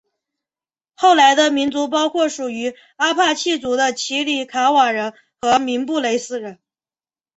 后来的民族包括属于阿帕契族的奇里卡瓦人和明布雷斯人。